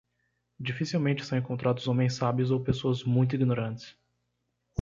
Dificilmente são encontrados homens sábios ou pessoas muito ignorantes.